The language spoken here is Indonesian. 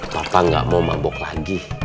papa gak mau mabuk lagi